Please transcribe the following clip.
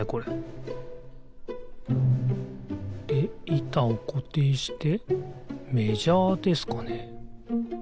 いたをこていしてメジャーですかね？